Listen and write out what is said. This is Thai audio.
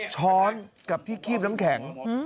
ช้อนกับที่คีบน้ำแข็ง